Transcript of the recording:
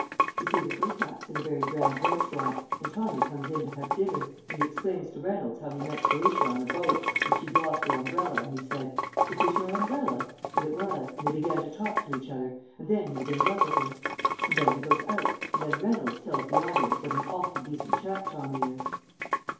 "You see, the First Act's in a very grand restaurant, and Tommy comes in to have dinner, and he explains to Reynolds how he met Felicia on a boat, and she'd lost her umbrella, and he said, 'Is this your umbrella?' and it was, and they began to talk to each other, and then he was in love with her. And then he goes out, and then Reynolds tells the audience what an awfully decent chap Tommy is."